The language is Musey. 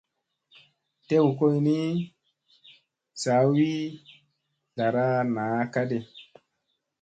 Tew koyni ni, sawi zlara naa ka ɗi.